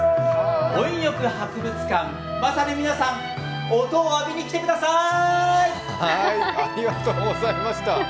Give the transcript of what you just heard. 音浴博物館、まさに皆さん、音を浴びにきてください！